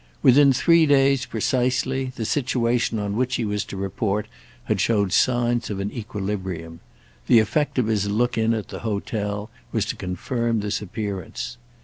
Within three days, precisely, the situation on which he was to report had shown signs of an equilibrium; the effect of his look in at the hotel was to confirm this appearance.